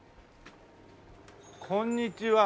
こんにちは。